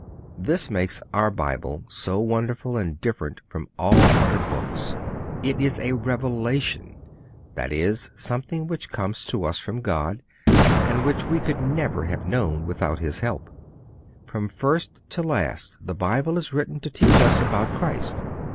This makes our Bible so wonderful and different from all other books: it is a revelation that is, something which comes to us from God and which we could never have known without His help. From first to last the Bible is written to teach us about Christ.